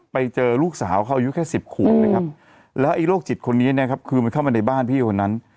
ไปเจอลูกสาวเขาอายุแค่๑๐ขุมเลยครับแล้วโรคจิตคนนี้คือเข้ามาในบ้านพี่คนนั้น